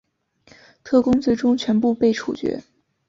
特工最终全部被处决。